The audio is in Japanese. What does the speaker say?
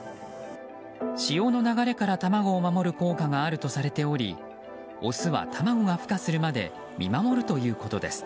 潮の流れから卵を守る効果があるとされておりオスは卵が孵化するまで見守るということです。